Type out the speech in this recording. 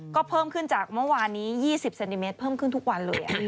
ก็เพิ่มขึ้นจากเมื่อวานนี้๒๐เซนติเมตรเพิ่มขึ้นทุกวันเลย